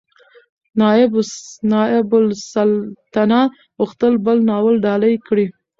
نایبالسلطنه غوښتل بل ناول ډالۍ کړي.